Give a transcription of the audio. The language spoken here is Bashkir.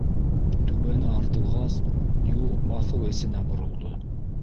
Түбәне артылғас, юл баҫыу эсенә боролдо.